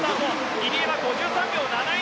入江は５３秒７１